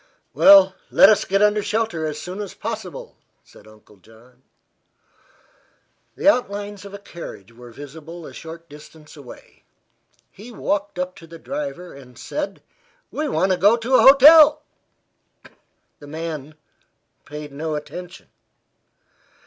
"Well, let us get under shelter as soon as possible," said Uncle John. The outlines of a carriage were visible a short distance away. He walked up to the driver and said: "We want to go to a hotel." The man paid no attention.